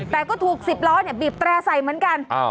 แต่ก็ถูกสิบล้อเนี่ยบีบแตรใส่เหมือนกันอ้าว